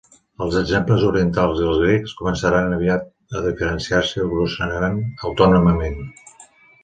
Els exemples orientals i els grecs començaran aviat a diferenciar-se i evolucionaran autònomament.